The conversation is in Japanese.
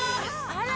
あら！